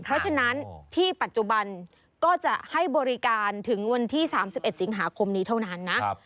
เพราะฉะนั้นที่ปัจจุบันก็จะให้บริการถึงวันที่๓๑สิงหาคมนี้เท่านั้นนะ